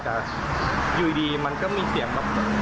แต่อยู่ดีมันก็มีเสียงแบบ